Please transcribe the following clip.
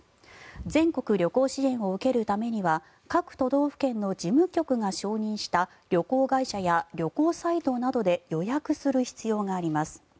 全国旅行支援を受けるためには各都道府県の事務局が承認した旅行会社や旅行サイトなどで予約する必要があります。